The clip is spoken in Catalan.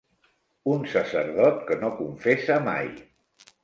Un sacerdot que no confessa mai.